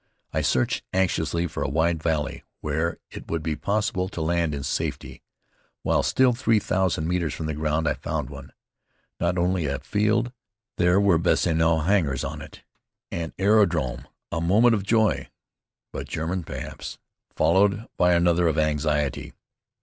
I searched anxiously for a wide valley where it would be possible to land in safety. While still three thousand metres from the ground I found one. Not only a field. There were bessonneau hangars on it. An aerodrome! A moment of joy, "but German, perhaps!" followed by another of anxiety.